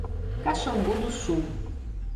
Caxambu do Sul